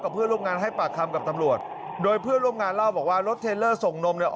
เพื่อนร่วมงานให้ปากคำกับตำรวจโดยเพื่อนร่วมงานเล่าบอกว่ารถเทลเลอร์ส่งนมเนี่ย